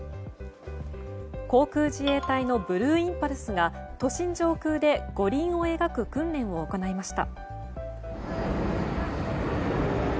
航空自衛隊のブルーインパルスが都心上空で五輪を描く訓練を行いました。